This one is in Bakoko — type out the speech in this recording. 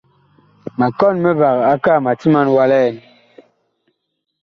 Ma kɔn mivag akaa ma timan wa li ɛn.